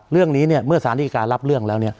เรื่องนี้เมื่อสารดีการรับเรื่องแล้ว